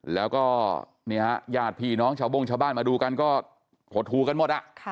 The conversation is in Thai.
แล้วก็ญาติพี่น้องชาวโบ้งชาวบ้านมาดูกันก็หดหูกันหมด